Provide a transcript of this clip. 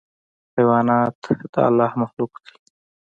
حیوانات د الله مخلوق دي.